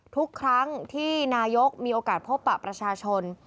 ทุกครั้งที่นายกมีโอกาสพบปะประชาชน